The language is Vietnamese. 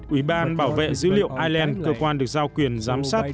ủy ban bảo vệ dữ liệu ireland cơ quan được giao quyền giám sát